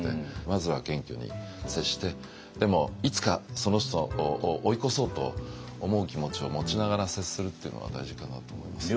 まずは謙虚に接してでもいつかその人を追い越そうと思う気持ちを持ちながら接するっていうのは大事かなと思います。